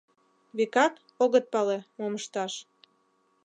Векат, огыт пале, мом ышташ.